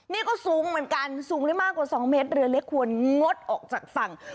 นี่ก็สูงเหมือนกันสูงได้มากกว่า๒เมตรเรือเล็กควรงดออกจากฝั่ง